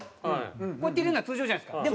こうやって入れるのが通常じゃないですか。